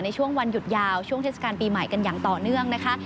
ในช่วงวันหยุดยาวช่วงเทศกาลปีใหม่กันอย่างต่อเนื่องนะคะ